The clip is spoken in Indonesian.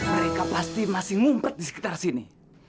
mereka pasti masih ngumpet di sekitar sini